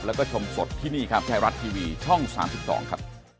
แล้วก็ชมสดที่นี่ครับไทยรัฐทีวีช่อง๓๒ครับ